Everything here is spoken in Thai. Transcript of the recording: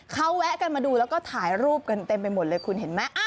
เขาแวะกันมาดูแล้วก็ถ่ายรูปกันเต็มไปหมดเลยคุณเห็นไหม